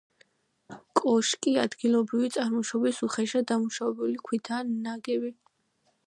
კოშკი ადგილობრივი წარმოშობის უხეშად დამუშავებული ქვითაა ნაგები.